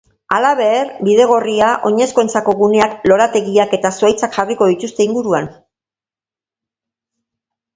Halaber, bidegorria, oinezkoentzako guneak, lorategiak eta zuhaitzak jarriko dituzte inguruan.